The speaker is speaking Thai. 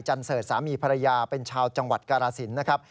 จันทร์เสิร์ชสามีภรรยาเป็นชาวจังหวัดการาศิลป์นะครับ